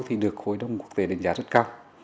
thì được hội đồng quốc tế đánh giá rất cao